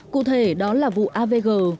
cụ thể đó là vụ avg